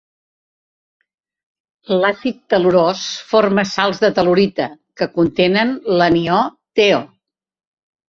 L'àcid tel·lurós forma sals de tel·lurita que contenen l'anió TeO.